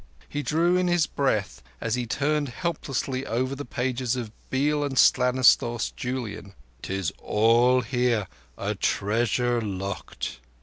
He drew in his breath as he turned helplessly over the pages of Beal and Stanislas Julien. "'Tis all here. A treasure locked."